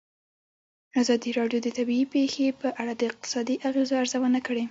ازادي راډیو د طبیعي پېښې په اړه د اقتصادي اغېزو ارزونه کړې.